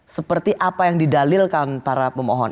seperti apa yang didalilkan para pemohon